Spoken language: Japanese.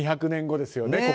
２００年後ですね